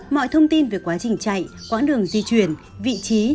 mọi thông tin về quá trình chạy quãng đường di chuyển vị trí